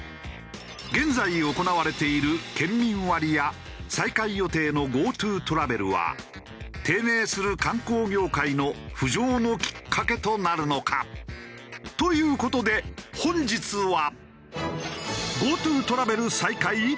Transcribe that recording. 現在行われている県民割や再開予定のＧｏＴｏトラベルは低迷する観光業界の浮上のきっかけとなるのか？という事で本日は。